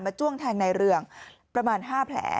จ้วงแทงในเรืองประมาณ๕แผล